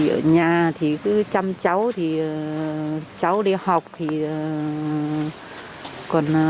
ở nhà thì cứ chăm cháu cháu đi học